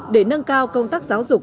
để nâng cao công tác giáo dục